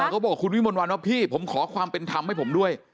เขาบอกคุณวิมนต์วันว่าพี่ผมขอความเป็นธรรมให้ผมด้วย